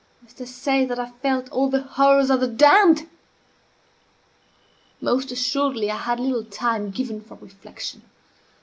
Must I say that I felt all the horrors of the damned? Most assuredly I had little time for reflection.